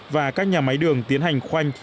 và các nhà máy đường tiến hành khoanh